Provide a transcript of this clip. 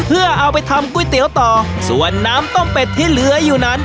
เพื่อเอาไปทำก๋วยเตี๋ยวต่อส่วนน้ำต้มเป็ดที่เหลืออยู่นั้น